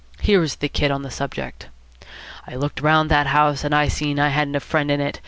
Here is the Kid on the subject: 'I looked around that house, and I seen I hadn't a friend in it.